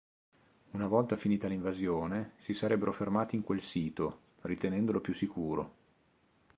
Una volta finita l'invasione, si sarebbero fermati in quel sito, ritenendolo più sicuro.